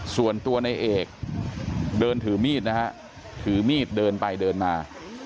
ส่วนตัวในเอกเดินถือมีดนะฮะถือมีดเดินไปเดินมา